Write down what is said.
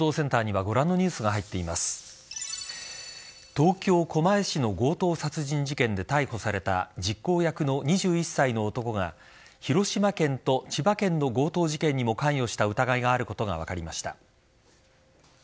東京・狛江市の強盗殺人事件で逮捕された実行役の２１歳の男が広島県と千葉県の強盗事件にも関与した疑いがあることが分かりました。